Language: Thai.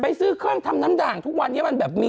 ซื้อเครื่องทำน้ำด่างทุกวันนี้มันแบบมี